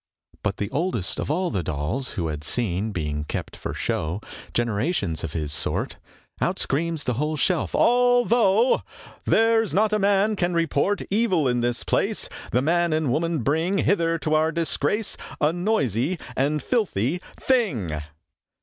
But the oldest of all the dolls Who had seen, being kept for show, Generations of his sort, Out screams the whole shelf: 'Although There's not a man can report Evil of this place, The man and the woman bring Hither to our disgrace, A noisy and filthy thing.'